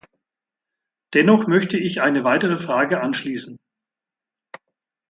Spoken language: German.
Dennoch möchte ich eine weitere Frage anschließen.